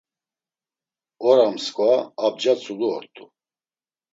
Ora msǩva, abca tzulu ort̆u.